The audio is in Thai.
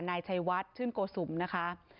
นายชัยวัดชื่นโกสุมนะคะ